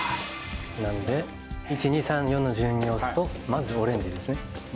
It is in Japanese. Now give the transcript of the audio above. なんで１、２、３、４の順に押すと、まずオレンジですね。